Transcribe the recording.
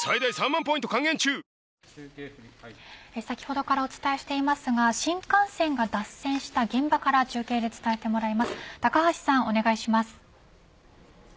先ほどからお伝えしていますが新幹線が脱線した現場から中継でお伝えします。